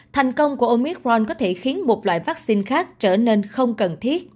thành công của omicron có thể khiến một loại vắc xin khác trở nên không cần